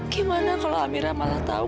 gimana kalau amira malah tahu